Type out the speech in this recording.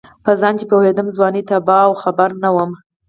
په ځان چې پوهېدم ځواني تباه وه خبر نه وم